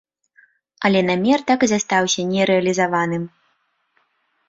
Але намер так і застаўся нерэалізаваным.